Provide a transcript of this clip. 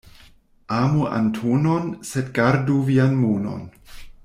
Amu Antonon, sed gardu vian monon.